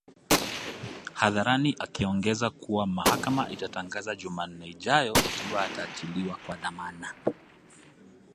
hadharani akiongeza kuwa mahakama itatangaza Jumanne ijayo ikiwa ataachiliwa kwa dhamana